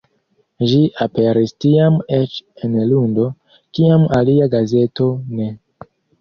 Ĝi aperis tiam eĉ en lundo, kiam alia gazeto ne.